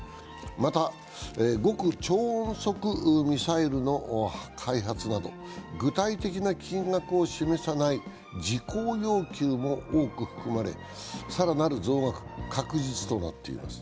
また極超音速ミサイルの開発など具体的な金額を示さない事項要求も多く含まれ、更なる増額、確実となっています。